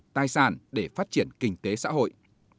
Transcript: tài sản để phát triển kinh tế xã hội